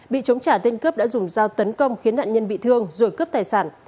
bị chống trả tên cướp đã dùng dao tấn công khiến nạn nhân bị thương rồi cướp tài sản